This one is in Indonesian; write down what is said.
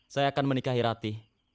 saya akan menikahi rati